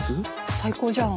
最高じゃん！